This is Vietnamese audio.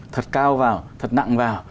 thật cao vào thật nặng vào